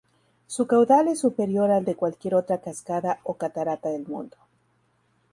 Su caudal es superior al de cualquier otra cascada o catarata del mundo.